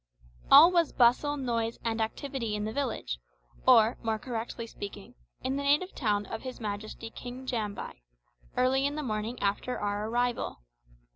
All was bustle, noise, and activity in the village, or, more correctly speaking, in the native town of his Majesty King Jambai, early in the morning after our arrival.